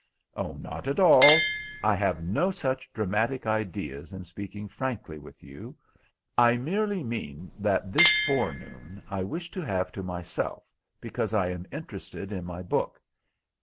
"Oh, not at all. I have no such dramatic ideas in speaking frankly with you. I merely mean that this forenoon I wish to have to myself, because I am interested in my book.